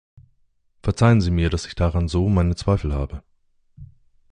Verzeihen Sie mir, dass ich daran so meine Zweifel habe.